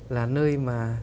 là nơi mà